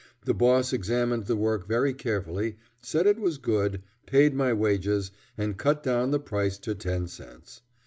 The boss examined the work very carefully, said it was good, paid my wages, and cut down the price to ten cents.